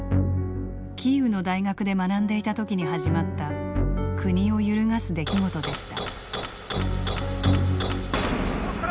キーウの大学で学んでいたときに始まった国を揺るがす出来事でした。